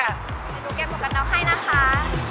เดี๋ยวหนูเก็บหมุกันเนาะให้นะคะ